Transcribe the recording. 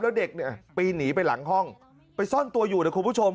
แล้วเด็กเนี่ยปีนหนีไปหลังห้องไปซ่อนตัวอยู่นะคุณผู้ชม